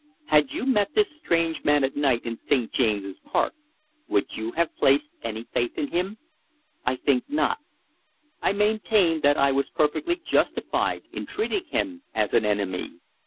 Had you met this strange man at night in St. James's Park, would you have placed any faith in him? I think not. I maintain that I was perfectly justified in treating him as an enemy.